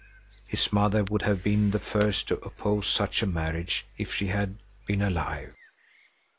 His mother would have been the first to oppose such a marriage if she had been alive.